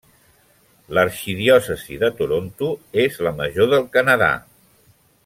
L'arxidiòcesi de Toronto és la major del Canadà.